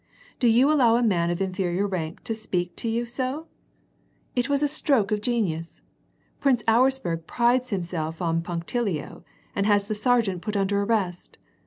* Do you allow a man of inferior rank to speak to you so ?' It was a stroke of genius. Prince Auersperg prides himself on puncti lio and has the sergeant put under arrest.